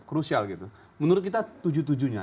krusial gitu menurut kita tujuh tujuh nya